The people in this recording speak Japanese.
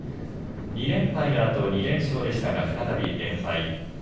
２連敗のあと２連勝でしたが再び連敗。